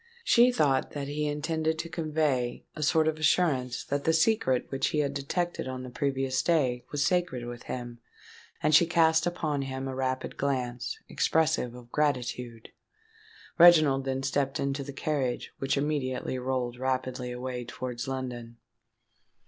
She thought that he intended to convey a sort of assurance that the secret which he had detected on the previous day, was sacred with him; and she cast upon him a rapid glance, expressive of gratitude. Reginald then stepped into the carriage, which immediately rolled rapidly away towards London.